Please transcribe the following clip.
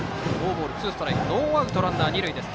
ノーアウトランナー、二塁です。